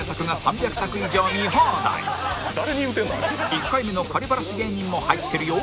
１回目のバラシ芸人も入ってるよ